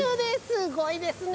すごいですね！